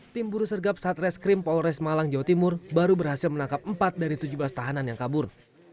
tim buru sergap satreskrim polres malang jawa timur baru berhasil menangkap empat dari tujuh belas tahanan yang kabur